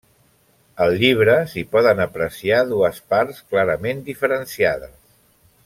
Al llibre s'hi poden apreciar dues parts clarament diferenciades.